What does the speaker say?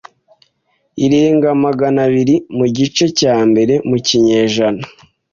irenga magana abiri mu gice cya mbere mu kinyejana